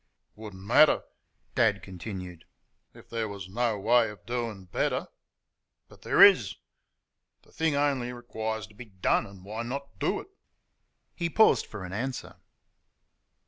"It would n't matter," Dad continued, "if there was no way of doing better; but there IS. The thing only requires to be DONE, and why not DO it?" He paused for an answer.